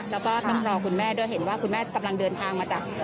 แล้วก็ต้องรอคุณแม่ด้วยเห็นว่าคุณแม่กำลังเดินทางมาจาก